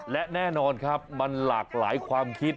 และแน่นอนครับมันหลากหลายความคิด